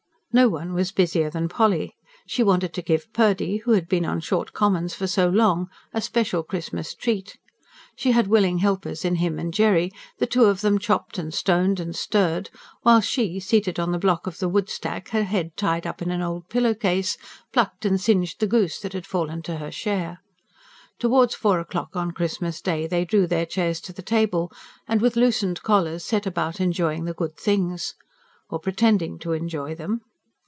No one was busier than Polly. She wanted to give Purdy, who had been on short commons for so long, a special Christmas treat. She had willing helpers in him and Jerry: the two of them chopped and stoned and stirred, while she, seated on the block of the woodstack, her head tied up in an old pillow case, plucked and singed the goose that had fallen to her share. Towards four o'clock on Christmas Day they drew their chairs to the table, and with loosened collars set about enjoying the good things. Or pretending to enjoy them.